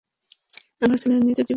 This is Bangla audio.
আমার ছেলে নিজের জীবন দিয়েছে।